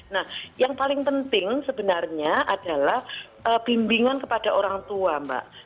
nah yang paling penting sebenarnya adalah bimbingan kepada orang tua mbak